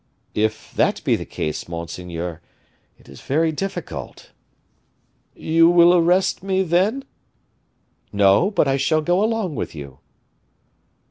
"If that be the case, monseigneur, it is very difficult." "You will arrest me, then?" "No, but I shall go along with you."